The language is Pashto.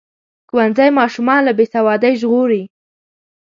ښوونځی ماشومان له بې سوادۍ ژغوري.